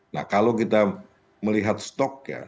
nah kalau kita melihat stok ya